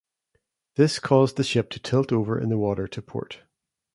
This caused the ship to tilt over in the water to port.